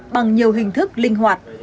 bằng nhiều hình thức linh hoạt